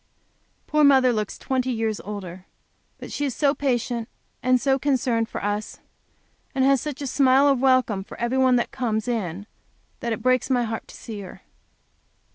Poor mother looks twenty years older, but she is so patient, and so concerned for us, and has such a smile of welcome for every one that comes in, that it breaks my heart to see her.